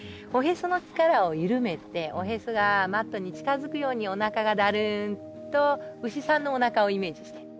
おへその力を緩めておへそがマットに近づくようにおなかがだるんと牛さんのおなかをイメージして。